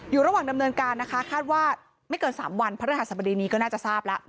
อยู่ระหว่างดำเนินการนะคะคาดว่าไม่เกิน๓วันพระฤหัสบดีนี้ก็น่าจะทราบแล้ว